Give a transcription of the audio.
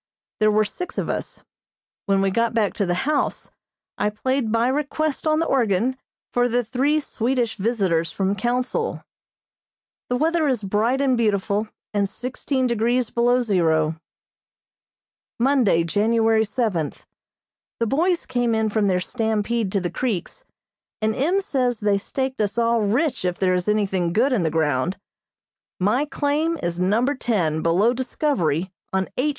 There were six of us. When we got back to the house, I played by request on the organ, for the three Swedish visitors from Council. The weather is bright and beautiful, and sixteen degrees below zero. Monday, January seventh: The boys came in from their stampede to the creeks, and M. says they staked us all rich if there is anything good in the ground. My claim is Number Ten, below Discovery, on H.